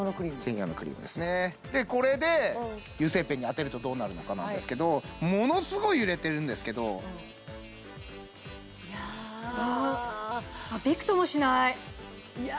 専用のクリームですねでこれで油性ペンに当てるとどうなるのかなんですけどものすごい揺れてるんですけどいやびくともしないいや